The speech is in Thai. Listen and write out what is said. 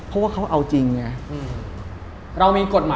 เราโดนจับไหม